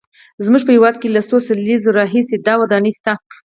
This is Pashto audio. زموږ په هېواد کې له څو لسیزو راهیسې دا ودانۍ شته.